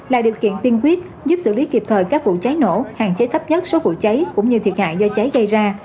là điều kiện tiên quyết giúp xử lý kịp thời các vụ cháy nổ hạn chế thấp nhất số vụ cháy cũng như thiệt hại do cháy gây ra